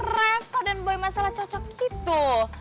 revo dan boy masalah cocok gitu